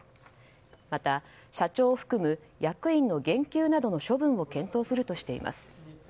また、社長を含む役員の減給などの処分を検討するとしています。